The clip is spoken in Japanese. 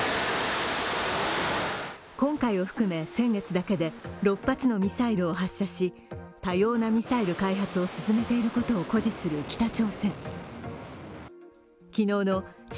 今回を含め先月だけで６発のミサイルを発射し多様なミサイル開発を進めていることを誇示する北朝鮮昨日の地